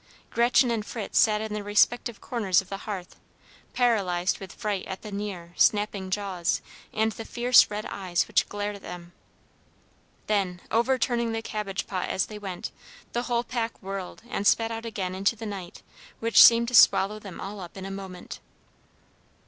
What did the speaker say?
Gretchen and Fritz sat in their respective corners of the hearth, paralyzed with fright at the near, snapping jaws and the fierce red eyes which glared at them. Then, overturning the cabbage pot as they went, the whole pack whirled, and sped out again into the night, which seemed to swallow them up all in a moment.